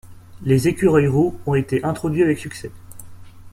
Les écureuils roux ont été introduits avec succès.